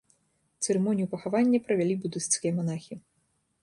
Цырымонію пахавання правялі будысцкія манахі.